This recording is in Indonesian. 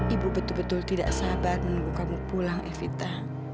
ibu betul betul tidak sabar menunggu kamu pulang evita